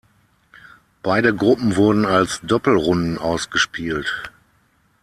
Beide Gruppen wurden als Doppelrunden ausgespielt.